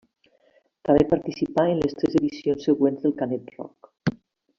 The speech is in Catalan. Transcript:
També participà en les tres edicions següents del Canet Rock.